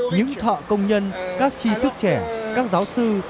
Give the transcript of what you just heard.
những thọ công nhân các chi thức trẻ các giáo sư